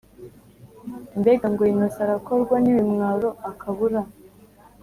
mbega ngo innocent arakorwa nibimwaro akabura